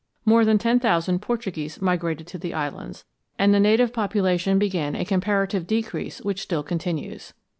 More than ten thousand Portuguese migrated to the islands, and the native population began a comparative decrease which still continues.